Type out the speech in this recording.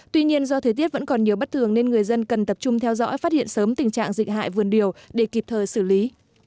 tuy nhiên do thời tiết vẫn còn nhiều bất thường nên người dân cần tập trung theo dõi phát hiện sớm tình trạng dịch hại vườn điều để kịp thời xử lý